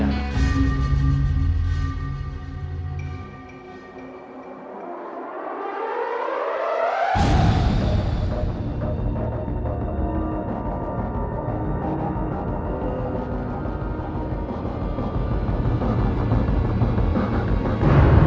jangan lupa untuk berlangganan